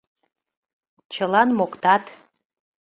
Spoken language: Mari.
Чылан моктат.